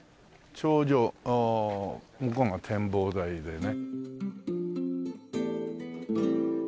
向こうが展望台でね。